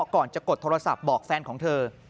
ก่อนจะกดโทรศัพท์บอกแฟนของเธอ